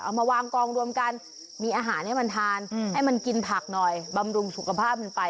เอามาวางกองรวมกันมีอาหารให้มันทานให้มันกินผักหน่อยบำรุงสุขภาพมันไป